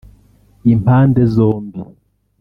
Impande zombi